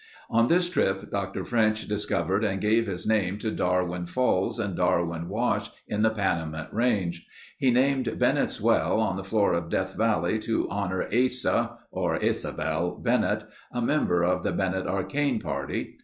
On this trip Dr. French discovered and gave his name to Darwin Falls and Darwin Wash in the Panamint range. He named Bennett's Well on the floor of Death Valley to honor Asa (or Asabel) Bennett, a member of the Bennett Arcane party.